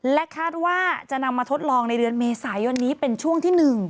และคาดว่าจะนำมาทดลองในเดือนเมษายนนี้เป็นช่วงที่๑